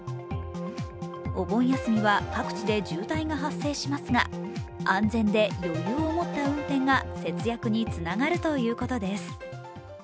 お盆休みは各地で渋滞が発生しますが安全で余裕を持った運転が節約につながるということです。